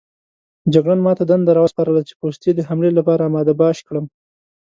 جګړن ما ته دنده راوسپارله چې پوستې د حملې لپاره اماده باش کړم.